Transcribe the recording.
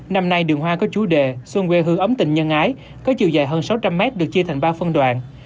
năm nay đường hoa có chú đề xuân quê hương ấm tình nhân ái có chiều dài hơn sáu trăm linh mét được chia thành ba phân đoạn